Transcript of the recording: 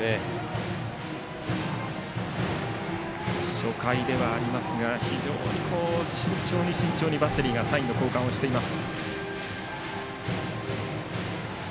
初回ではありますが非常に慎重に慎重にバッテリーがサインの交換をしています。